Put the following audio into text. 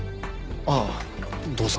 あぁどうぞ。